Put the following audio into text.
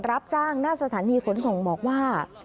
รับจ้างหน้าสถานีขนส่งบอกว่า